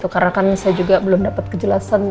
karena kan saya juga belum dapat kejelasan